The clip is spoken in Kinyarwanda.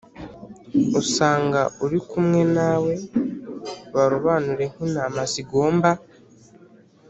usanga uri kumwe nawe Barobanure nk intama zigomba